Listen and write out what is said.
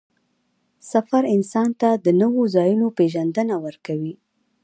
سفر انسان ته د نوو ځایونو پېژندنه ورکوي